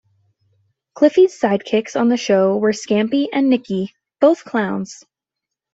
Cliffy's sidekicks on the show were Scampy and Nicky, both clowns.